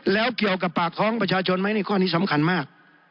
แล้วเกี่ยวกับปากท้องประชาชนไหมในข้อนี้สำคัญมาก